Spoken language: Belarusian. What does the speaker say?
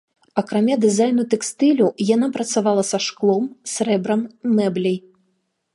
Акрамя дызайну тэкстылю, яна працавала са шклом, срэбрам і мэбляй.